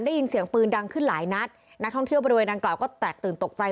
ได้ยินเสียงปืนดังขึ้นหลายนัดนักท่องเที่ยวบริเวณดังกล่าวก็แตกตื่นตกใจ